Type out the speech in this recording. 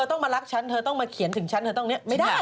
หน้า๒๗ค่ะน้องยาย่าขับรถเองว้าว